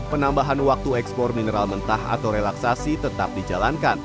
penambahan waktu ekspor mineral mentah atau relaksasi tetap dijalankan